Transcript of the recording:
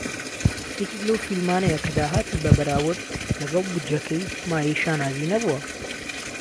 یەکێک لەو فیلمانەیە کە داهاتی بە بەراورد لەگەڵ بودجەکەی مایەی شانازی نەبووە.